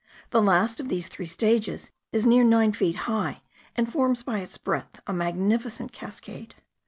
The last of these three stages is near nine feet high, and forms by its breadth a magnificent cascade.